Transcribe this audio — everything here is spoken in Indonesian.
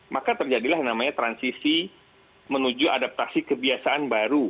maka terjadilah namanya transisi menuju adaptasi kebiasaan baru